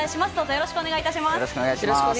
よろしくお願いします。